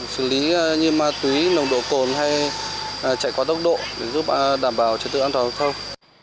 xử lý nghiêm ma túy nồng độ cồn hay chạy qua tốc độ để giúp đảm bảo chất tự an toàn giao thông